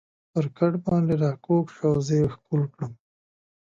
پر کټ باندې را کږ شو او زه یې ښکل کړم.